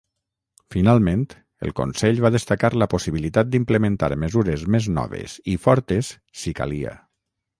Finalment, el Consell va destacar la possibilitat d'implementar mesures més noves i fortes si calia.